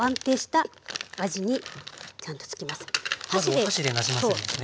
お箸でなじませるんですね。